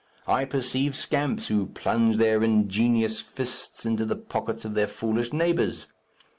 I perceive scamps who plunge their ingenious fists into the pockets of their foolish neighbours.